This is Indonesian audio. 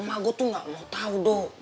emak gue tuh gak mau tau dong